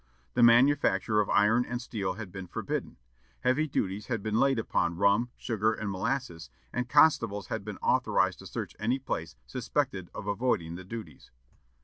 The manufacture of iron and steel had been forbidden. Heavy duties had been laid upon rum, sugar, and molasses, and constables had been authorized to search any place suspected of avoiding the duties.